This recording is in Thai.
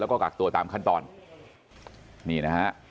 แล้วก็กักตัวตามขั้นตอนนี่นะฮะ